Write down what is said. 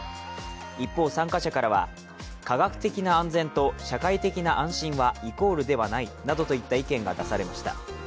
一方、参加者からは、科学的な安全と社会的な安心はイコールではないなどといった意見が出されました。